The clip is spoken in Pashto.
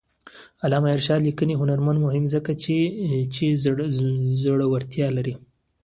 د علامه رشاد لیکنی هنر مهم دی ځکه چې زړورتیا لري.